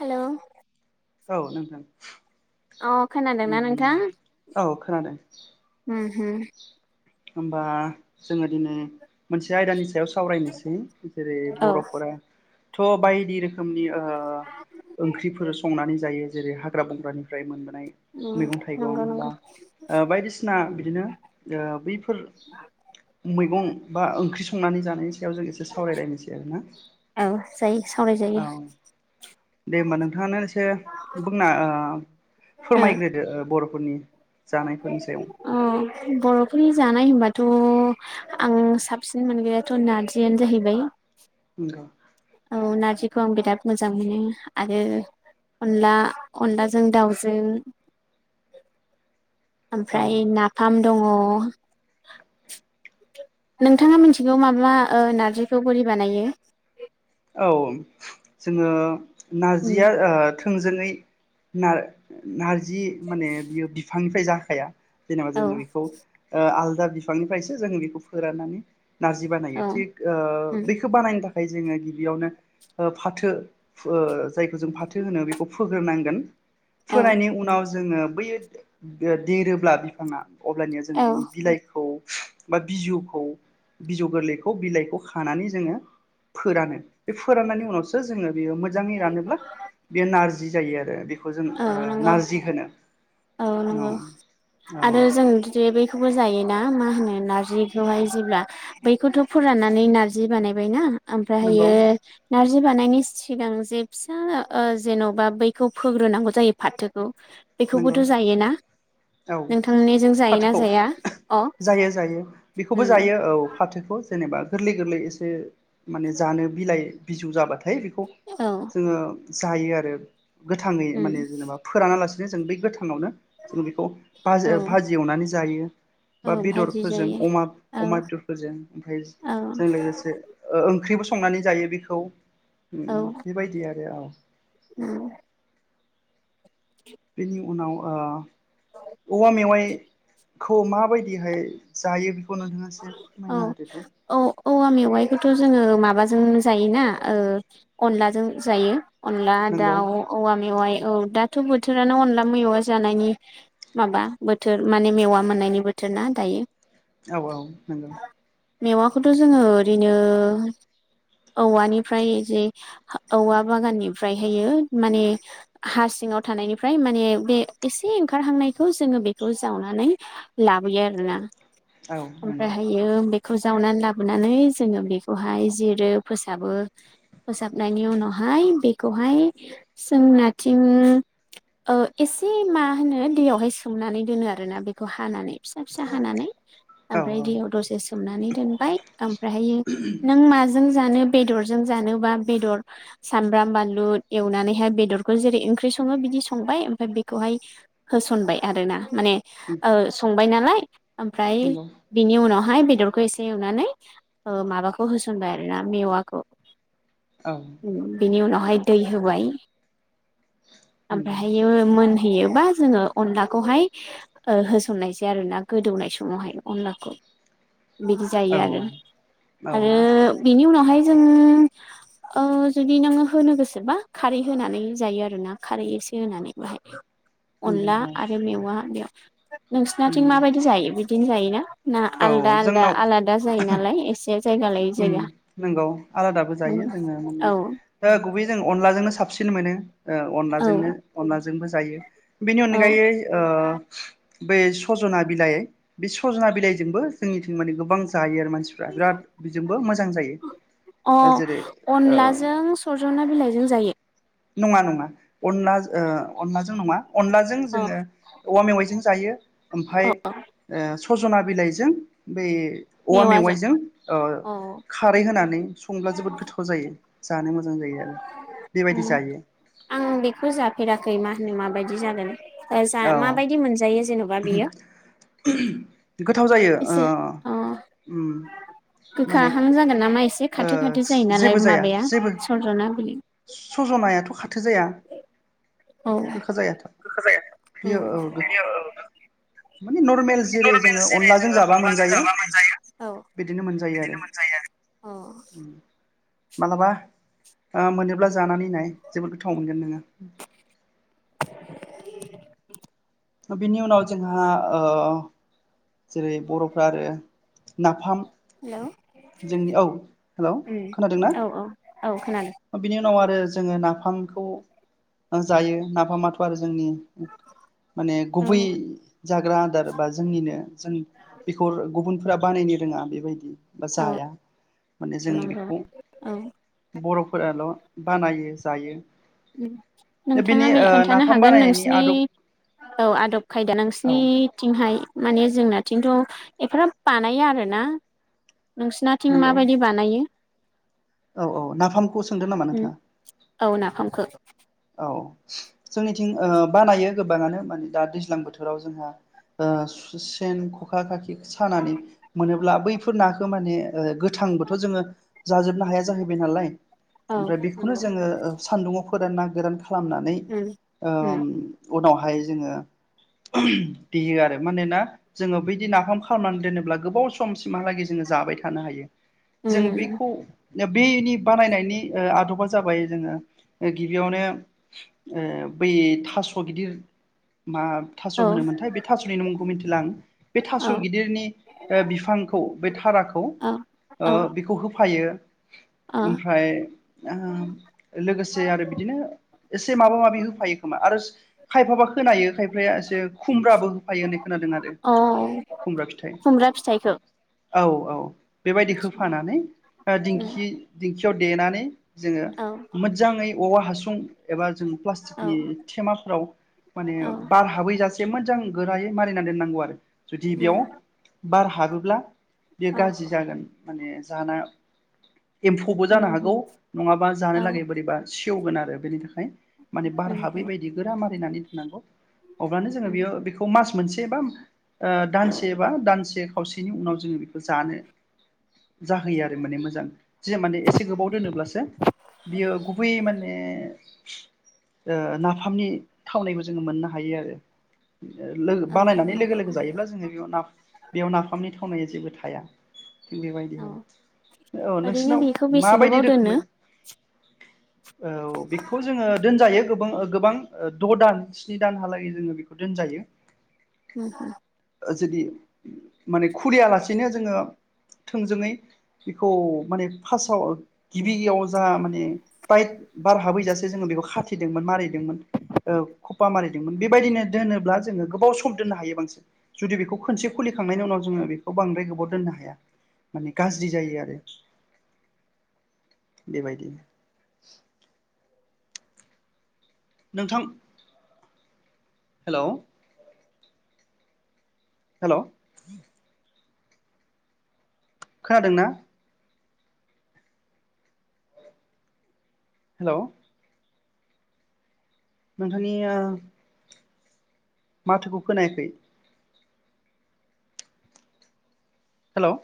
Hello औ नोंथां। अ' खोनादोंना उम नोंथां? औ खोनादों। उम होम होमबा जोङो दिनै मोनसे आयदानि सायाव सावरायनोसै जेरै उम बर'फोरा थ' बायदि रो खोमनि ओ ओंख्रिफोर संनानै जायो जेरै हा ग्रा बंग्रानिफ्राय मोन नाय उम मेगं नंगौ थाइगं बा नंगौ ओ बायदिसिना बिदिनो ओ मैगं बा ओंख्रि संनानै जानाय स याव जों एसे सावरायलायनोसै आरोना। औ जायो सावरायजायो औ दे होनबा नोंथाङानो एसे बुंना ओ ओ फोरमायग्रोदो ओ बर' खरनि [inaudible] अ बर'फोरनि जानाय होनबाथ' आं साबसिन मोनग्रायाथ' नारजिआनो जाहैबाय । नोंगौ अ नारजिखौ आं बिराद मोजां मोनो आरो अनला अनलाजों दाउजों [inaudible] औ ओमफ्राय नाफाम दङ' । नोंथाङा मिथिगौ माबा ओ नार्जिखौ बोरै बानायो? औ जोङो उम नारजिया ओ थों जोङै नार-नारजि जि माने बियो बिफां फ्राय जाखाया जेनेबा औ जोङो बेखौ ओ आल दा बिफांनिफ्रायसो जोङो बेखौ फोराननानै नारजि बानायो औ थिग ओ उम बेख ो बानायनो था खाय जोङो गि बियावनो ओ फाथो फो- जायखौ जों फाथो होनो बेखौ फोग्रोनांगोन। औ फोनायनि उनाव जोङो बै ओ देरोब्ला बिफाङा अब्लानिया जों औ बिनि बिलाइखौ बा बिजौखौ, बिजौ गोरलैखौ बिलाइखौ खानानै जोङो फोरानो। बे फोराननायनि उनावसो जोङो ओ मोजाङै रानोब्ला बे नारजि बिदि जायो आरो बेखौ जों औ ओ नंगौ नारजि होनो । औ नंगौ आरो जों बिदि बैखौबो जायो ना मा होनो नारजिखौहाय जेब्ला बैखौथ' फोराननानै नार्जि बानायबायना। नंगौ ओमफ्रायहायो नार जि बानायनायनि सिगां जे फिसा ओ जेन'बा बैखौ फोग्रोनांगौ जायो फाथोखौ। नंगौ। बेखौबोथ' जायोना औ नोंथांनिजों जायोना फाथोखौ जाया अ जायो जायो बेखौबो उम जायो औ फाथोखौ। जेनेबा गोरलै गोरलै एसे माने जानो बिलाइ बिजौ जाबाथाय बे खौ औ जोङो जायो आरो। गोथाङै उम माने जेनेबा फोरानालासि बिदिनो जों बे गोथाङावनो जों बेखौ भाज औ ओ भाजि एवनानै जायो बा औ भाजि बेदरफोरजों जायो अमा, औ अमा बेदरफोरजों ओमफ्राय औ जों लोगोसे ओ ओंख्रिबो संनानै जायो बेख औ। उम औ बेबायदि आरो औ। उम। बेनि उनाव ओ औवा मेवाइ खौ माबायदिहाय जायो नोंथाङा एसे औ फोरमायना होदो दे औ औवा मेवाइखौथ' जोङो माबा जों जायोना ओ अनलाजों जायो। अनला नोंगौ दाउ, औवा मेवाइ औ दाथ' बोथोरानो अनला मेवा जानायनि माबा बोथोर माने मेवा मोननायनि बोथोर ना दायो। औ औ नोंगौ। मेवाखौथ' जोङो ओरैनो औवानिफ्राय जे औवा बागाननिफ्रायहायो माने हा सिङाव थानायनिफ्राय माने बे एसे ओंखारहांनायखौ जोङो बेखौ जावनानै लाबोयो आरोना। औ नंगौ ओमफ्रायहायो बे खौ जावनानै लाबोनानै जोङो बेखौहाय जिरो फोसाबो फोसाबनायनि उनावहाय बेखौहाय जोंनाथिं ओ एसे मा होनो दैयावहाय सोमनानै दोनो आरोना बेखौ हानानै। फिसा फिसा हानानै। औ औ ओमफ्राय दैयाव दसे सोमनानै दोनबाय ओमफ्रायहायो नों माज जों जानो बेदरजों जानोबा बेदर सामब्राम बानलु एवनानैहाय बेदरखौ जेरै ओंख्रि सङो बिदि संबाय ओमफ्राय बेखौहाय होसनबाय आरो ना। माने ओ संबाय नालाय ओमफ्राय नंगौ बेनि उनावहाय बेदरखौ एसे एवनानै ओ माबाखौ होसनबाय आरो ना मेवाखौ। औ उम बिनि उनाव बाहाय दै होबाय नंगौ ओमफ्रायहायो मोन होयोबा जोङो अनलाखौहाय ओ होसननायसै आरोना गोदौनाय समावहाय। अनलाखौ। बिदि जायो औ आरो, आरो बेनि उनावहाय जोङो ओ जुदि नोङो होनो गोसोबा खारै होनानै जायो आरोना खारै एसे होनानै बाहाय। नंगौ औ अनला आरो मेवा बेव। [inaudible] नोंसानाथिं माबायदि जायो बिद दिनो जायोना? ना औ आलदा आलदा जोंनाव आलादा जायो नालाय एसे जायगा लायै ओम जायगा नंगौ आलादाबो जायो जोङो औ माने ओ गुबै जों अनलाजोंनो साबसि सिन मोनो। ओ औ अनलाजोंनो अनलाजों । जोंबो जायो । बिनि औ अनगायै ओ बै सजना बिलाइ बे सजना बिलाइ जोंबो जोंनिथिं माने गोबां जायो आरो माने । जेरै अह अनलाजों सजना बिलाइजों जायो? नङा नङा अनला ओ अनलाजों नङा । अनलाजों अ जोङो औवा मेवाइजों जायो । अ ओमफाय ओ सजना बिलाइजों बै औवा मेवाजों मेवाइजों ओ औ खारै होनानै उम संब्ला जोबोद गोथाव जायो जानो मोजां जायो आरो बेबायदि । ओम आं बेखौ जाफेराखै मा होनो माबायदि जागोन। एह जा औ माबायदि मोनजायो जेन'बा बेयो [inaudible] गोथाव जायो ओ एसे अ ओम माने गोखाहां गो जागोन नामा एसे ओ खाथो खाथो जायो नालाय जेबो जाया माबाया जेबो सजना बिलाइ सज'नायाथ' खाथो जाया औ गोखा जायाथ' गोखा जाया बेयो औ गो बेयो मानि नरमेल जेरै नरमेल जोङो जेरै अनलाजों जोङो जाबा अनलाजों मोनजायो जाबा मोनजायो औ बिदिनो मोनजायो आरो मोनजायो अ । मालाबा मोनोब्ला जानानै नाय जोबोद गोथाव मोनगोन नोङो। [inaudible] बिनि उनाव जोंहा ओ जेरै बरफ्रा आरो नाफाम। हेलौ जोंनि औ हेलौ उम खोनादोंना औ औ। औ खोनादों। बिनि उनाव आरो जोङो नाफामखौ जायो नाफामाथ' आरो जोंनि। माने औ गुबै जाग्रा आदार बा जोंनिनो जों बेखौ गुबुनफोरा बानायनो रोङा बेबायदि बा औ जाया माने जों नंगौ बेखौ औ बर बानायो जायो। दा बेनि नोंथाङा ओ [unintelligible] खोन्थानो नाफाम हागोन बानायनायनि नोंसिनि आदब औ आदब खायदा औ नोंसिनिथिंहाय। माने जोंनाथिंथ एफाराब बानाया आरोना। नोंसिनाथिं नंगौ माबायदि बानायो? औ औ नाफामखौ सोंदों नामा उम नोंथाङा? [unintelligible] औ जोंनिथिं ओ बानायो गोबांनो मानि दा दैज्लां बोथोराव जोंहा ओ सेन खखा खाखि सानानै मोनोब्ला बैफोर नाखो माने ओ गो थांबोथ जोङो जाजोबनो हाया जाहैबाय नालाय औ ओमफ्राय बेखौनो उम जोङो ओ सान्दुङाव फोरनना गोरान ख्लामनानै ओ उम उनावहाय जोङो देयो आरो मानोना जोङो बिदि नाफाम खालामनानै दोनोब्ला गोबाव सम समसिमहालागै जोङो जाबाय थानो हायो जों उम बेखौ बेनि बानायनायनि ओ आदबा जाबाय जोङो ओ गि बियावनो ओ बै थास गिदिर मा थास' औ होनोमोनथाय बे थास'निनो मुंखौ मिन्थिला आं बे थास' औ गिदिरनि ओ बिफांखौ बे थाराखौ औ ओ औ बेखौ होफायो। ओमफ्राय ओ लोगोसे आरो एसे माबा माबि होफायो खोमा आरो खायफाबा खोनायो खायफाया एसे खुमब्राबो होफायो होननाय खोनादों आरो ओ अ खुमब्रा फिथाइ खुमब्रा फिथाइखौ औ औ बेबायदि आदसा होफानानै उम दिंखि ओ दिखि याव देनानै जोङो औ मोजाङै औवा हासुं एबा जों औ प्लास्टिकनि थेमाफ्राव माने औ बार हाबैजासे मोजां। गोरायै मारिना दोननांगौ आरो। जुदि उम बेयाव बार हाबोब्ला बेयो औ गाज्रि जागोन माने जानाय एम्फौबो उम जानो हागौ उम नङाबा जानो औ लागै बोरैबा सेवगोन आरो बेनि थाखाय माने उम बार हाबै बादि गोरा मारिनानै दोननांगौ अब्लानो उम बेयो जोङो बेखौ मोनसे बा ओ दानसेबा दानसे खावसेनि उनाव जोङो बेखौ गानो गोहैयो आरो माने मोजां जे माने एसे गोबाव दोनोब्लासो बियो गुबै माने ओ नाफामनि थावनायबो जोङो मोननो हायो आरो लोगो औ बानायनानै लोगो नंगौ लोगो जायोब्ला जोङो बेयाव बेयाव नाफामनि थावनाया जेबो थाया थि बेबायदि औ आरो औ ओरैनो नोंसिनाव बेखौ बेसे माबायदि गोबाव दोनो रोखोमै औ बेखौ जोङो दोनजायो गोबां गोबां द' दान स्नि दानहालागै जोङो बेखौ दोनजायो होम जुदि माने खुरिया लासेनो जोङो थोंजोङै बेखौ माने फार्स्टआव गिबियाव जा माने टाइट बार हाबैजासे जोङो बेखौ खाथिदोंमोन मारिैदोंमोन खफा मारिैदोंमोन बेबायदिनो दोनोब्ला जोङो गोबाव सम दोननो हायो बांसिन जुदि बेखौ खनसे खुलिखांनायनि उनाव जोङो बेखौ बांद्राय गोबाव दोननो हाया माने गाज्रि जायो आरो बेबायदिनो [inaudible] नोंथां हेल' हेल' । खोनादोंना? हेल' नोंथांनिया माथोखौ खोनायाखै । हेल' ।